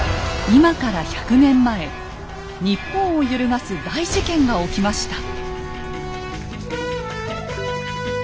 今から１００年前日本を揺るがす大事件が起きました。